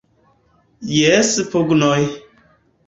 Jes pugnoj!